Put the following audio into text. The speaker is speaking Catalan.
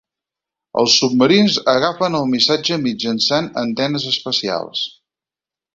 Els submarins agafen el missatge mitjançant antenes especials.